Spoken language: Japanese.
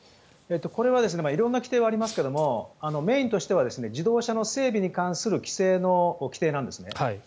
これは色んな規定がありますがメインとしては自動車の整備に関する規制なんですね。